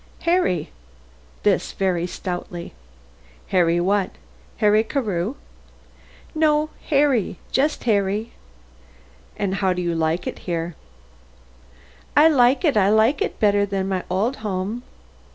"Harry," this very stoutly. "Harry what? Harry Carew?" "No, Harry; just Harry." "And how do you like it here?" "I like it; I like it better than my old home."